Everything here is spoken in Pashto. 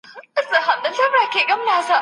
اسلام د هر انسان د عقيدې درناوی کوي.